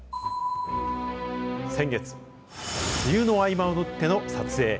先月、梅雨の合間を縫っての撮影。